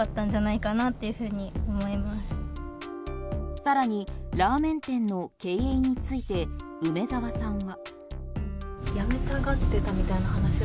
更にラーメン店の経営について梅澤さんは。